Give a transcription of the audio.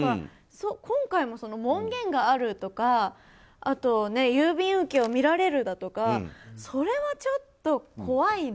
今回も門限があるとかあと、郵便受けを見られるだとかそれはちょっと怖いな。